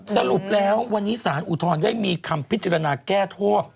สรุปแล้ววันนี้สารอุทธรณ์ได้มีคำพิจารณาแก้โทษ